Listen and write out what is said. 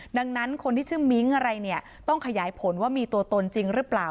ดังนั้นคนที่ชื่อมิ้งอะไรเนี่ยต้องขยายผลว่ามีตัวตนจริงหรือเปล่า